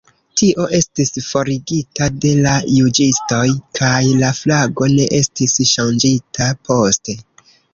Tio estis forigita de la juĝistoj kaj la flago ne estis ŝanĝita poste.